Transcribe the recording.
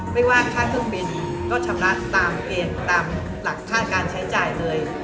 ไม่ว่าค่าเครื่องบินก็ชำระตามเกณฑ์ตามหลักค่าการใช้จ่ายเลย